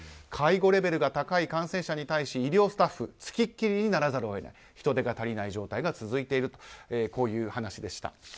介護レベルが高い感染者に対し医療スタッフがつきっきりになって人手が足りない状態が続いているという話でした。